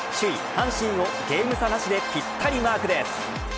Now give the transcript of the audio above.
阪神をゲーム差なしでぴったりマークです。